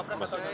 belum masih jauh